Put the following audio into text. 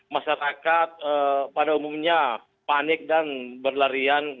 masyarakat pada umumnya panik dan berlarian